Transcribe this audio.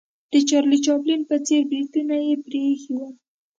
د چارلي چاپلین په څېر بریتونه یې پرې ایښې ول.